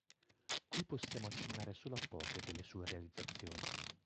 Qui possiamo accennare solo a poche delle sue realizzazioni.